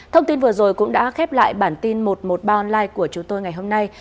thông tin vừa rồi cũng đã khép lại bản tin một trăm một mươi ba online của chúng tôi ngày hôm nay